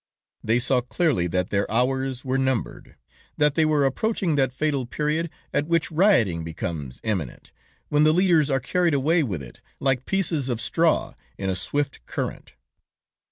They saw clearly that their hours were numbered, that they were approaching that fatal period at which rioting becomes imminent, when the leaders are carried away with it, like pieces of straw in a swift current.